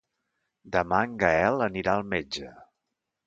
Demà en Gaël anirà al metge.